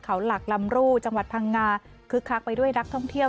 เขาหลักลำรูจังหวัดพังงาคึกคักไปด้วยนักท่องเที่ยว